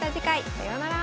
さようなら。